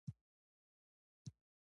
لاستی يې وڅرخوه.